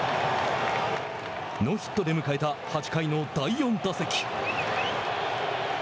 ノーヒットで迎えた８回の第４打席。